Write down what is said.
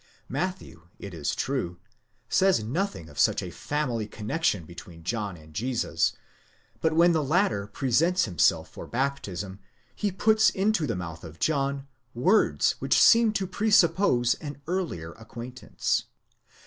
Matthew, it is true, says nothing of such a family connexion between John and Jesus ; but when the latter presents himself for baptism, he puts into the mouth of John words which seem to presuppose an earlier acquaintance.